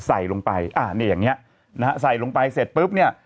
ใส่ลงไปอ่านี่อย่างเงี้ยนะฮะใส่ลงไปเสร็จปุ๊บเนี่ย